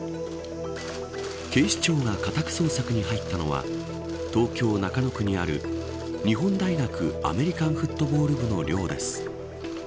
警視庁が家宅捜索に入ったのは東京・中野区にある日本大学アメリカンフットボール部の寮です。